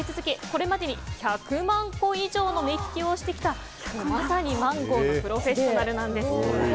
これまでに１００万個以上の目利きをしてきたまさにマンゴーのプロフェッショナルなんです。